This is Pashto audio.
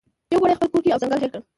یو ګړی یې خپل کورګی او ځنګل هېر کړ